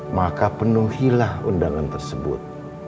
maka penuhilah undangan tersebut